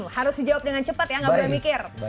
harus dijawab dengan cepat ya nggak berani mikir